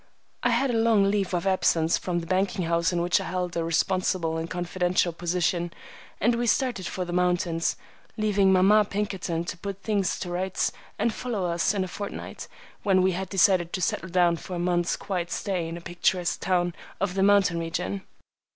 I had a long leave of absence from the banking house in which I held a responsible and confidential position, and we started for the mountains, leaving mamma Pinkerton to put things to rights and follow us in a fortnight, when we had decided to settle down for a month's quiet stay in a picturesque town of the mountain region.